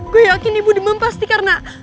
gue yakin ibu demam pasti karena